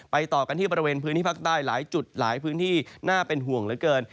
ต่อกันที่บริเวณพื้นที่ภาคใต้หลายจุดหลายพื้นที่น่าเป็นห่วงเหลือเกิน